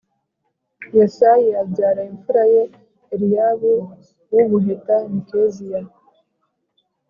Yesayi abyara imfura ye Eliyabu uw ubuheta ni keziya